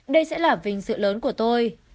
đây sẽ là vinh sự lớn của tôi